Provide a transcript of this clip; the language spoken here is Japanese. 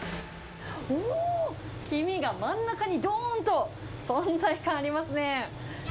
おー、黄身が真ん中にどーんと、存在感ありますね。